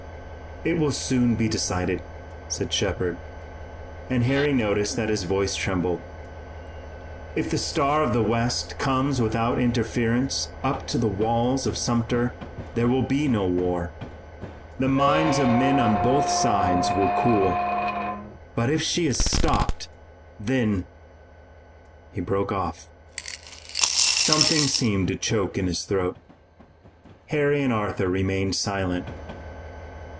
"It will soon be decided," said Shepard, and Harry noticed that his voice trembled. "If the Star of the West comes without interference up to the walls of Sumter there will be no war. The minds of men on both sides will cool. But if she is stopped, then " He broke off. Something seemed to choke in his throat. Harry and Arthur remained silent.